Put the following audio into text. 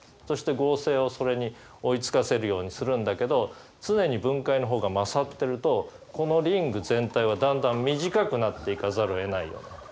そして合成をそれに追いつかせるようにするんだけど常に分解の方が勝ってるとこのリング全体はだんだん短くなっていかざるをえないよね。